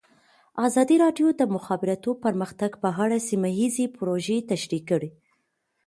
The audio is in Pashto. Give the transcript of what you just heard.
ازادي راډیو د د مخابراتو پرمختګ په اړه سیمه ییزې پروژې تشریح کړې.